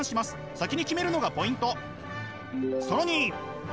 先に決めるのがポイント！